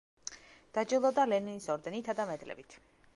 დაჯილდოვდა ლენინის ორდენითა და მედლებით.